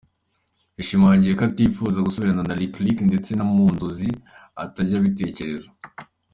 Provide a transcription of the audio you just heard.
Yashimangiye ko atifuza gusubirana na Lick Lick ndetse no mu nzozi atajya abitekereza.